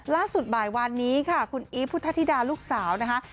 ล่าสุดบ่ายวานนี้ค่ะคุณอีฟพุทธธิดาลูกสาวนะคะ